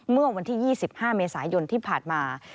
เมื่อวันที่๒๕เมษายนที่ผ่านมา